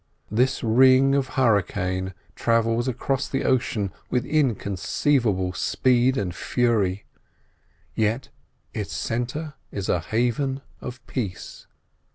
This ring of hurricane travels across the ocean with inconceivable speed and fury, yet its centre is a haven of peace.